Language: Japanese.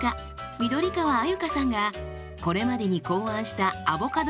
緑川鮎香さんがこれまでに考案したアボカドレシピ